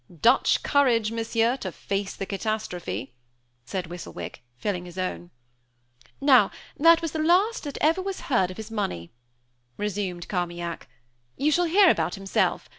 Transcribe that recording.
"Dutch courage, Monsieur, to face the catastrophe!" said Whistlewick, filling his own. "Now, that was the last that ever was heard of his money," resumed Carmaignac. "You shall hear about himself.